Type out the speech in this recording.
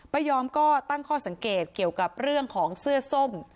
ไม่ยอมก็ตั้งข้อสังเกตเกี่ยวกับเรื่องของเสื้อส้ม